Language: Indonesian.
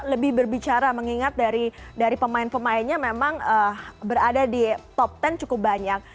lebih berbicara mengingat dari pemain pemainnya memang berada di top sepuluh cukup banyak